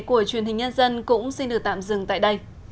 của truyền hình nhân dân cũng xin được tạm dừng tại đây